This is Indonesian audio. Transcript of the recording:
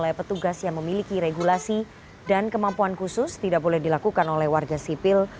oleh petugas yang memiliki regulasi dan kemampuan khusus tidak boleh dilakukan oleh warga sipil